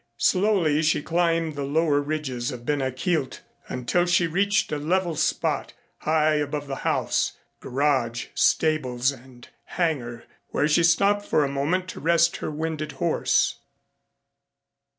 Slowly she climbed the lower ridges of Ben a Chielt until she reached a level spot, high above the house, garage, stables and hangar, where she stopped for a moment to rest her winded horse.